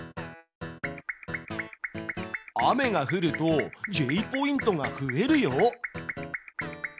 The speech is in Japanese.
雨が降るとＪポイントが増えるよ。